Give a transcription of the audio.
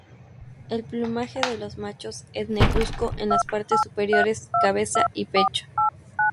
El plumaje de los machos es negruzco en las partes superiores, cabeza y pecho.